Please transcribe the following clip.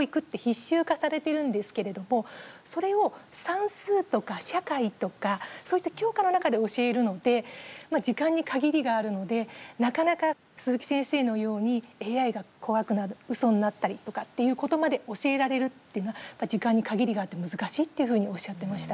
それを算数とか社会とかそういった教科の中で教えるので時間に限りがあるのでなかなか鈴木先生のようにＡＩが怖くなるウソになったりとかっていうことまで教えられるっていうのは時間に限りがあって難しいっていうふうにおっしゃってました。